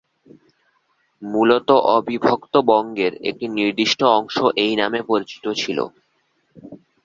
মূলত অবিভক্ত বঙ্গের একটি নির্দিষ্ট অংশ এই নামে পরিচিত ছিল।